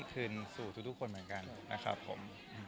คืนสู่ทุกคนเหมือนกันนะครับผม